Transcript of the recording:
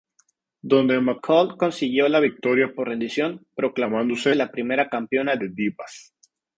Donde McCool consiguió la victoria por rendición, proclamándose la primera Campeona de Divas.